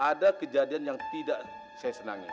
ada kejadian yang tidak saya senangi